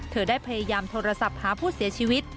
เธอได้พยายามโทรศัพท์หาผู้เสียชีวิต